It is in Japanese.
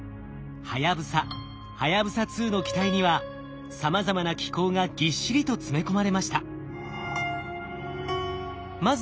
はやぶさはやぶさ２の機体にはさまざまな機構がぎっしりと詰め込まれました。